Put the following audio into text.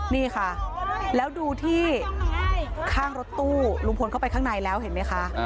นี่ค่ะแล้วดูที่ข้างรถตู้ลุงพลเข้าไปข้างในแล้วเห็นไหมคะ